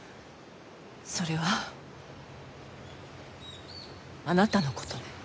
それはあなたの事ね。